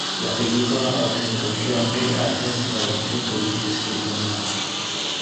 La pellicola ha ottenuto il Gran Prix al Festival del film poliziesco di Cognac.